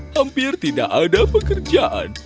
hampir tidak ada pekerjaan